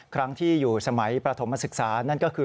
ครั้งที่อยู่สมัยประถมศึกษานั่นก็คือ